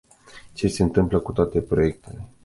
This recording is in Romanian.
Ce s-a întâmplat cu toate proiectele?